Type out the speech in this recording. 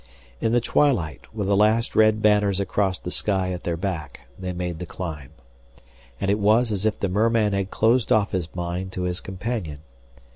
In the twilight, with the last red banners across the sky at their back, they made the climb. And it was as if the merman had closed off his mind to his companion.